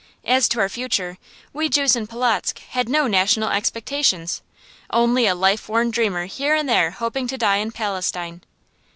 As to our future, we Jews in Polotzk had no national expectations; only a life worn dreamer here and there hoped to die in Palestine.